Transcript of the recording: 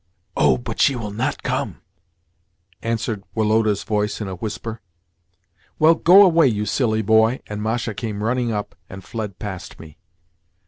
"Oh, but she will not come," answered Woloda's voice in a whisper. "Well, go away, you silly boy," and Masha came running up, and fled past me.